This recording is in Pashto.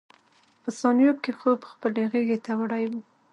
په ثانیو کې خوب خپلې غېږې ته وړی وم.